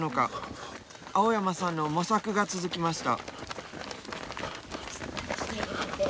青山さんの模索が続きました。